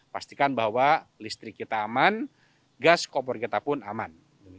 pastikan bahwa listrik kita aman gas kompor kita pun aman